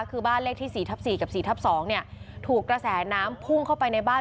คือบ้านเลขที่๔ทับ๔กับ๔ทับ๒เนี่ยถูกกระแสน้ำพุ่งเข้าไปในบ้าน